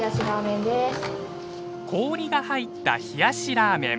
氷が入った冷やしラーメン。